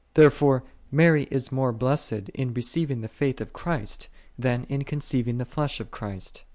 Therefore Mary is more blessed in receiving the faith of Christ, than in conceiving the flesh of Christ.